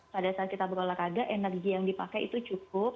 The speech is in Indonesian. pada saat kita berolahraga energi yang dipakai itu cukup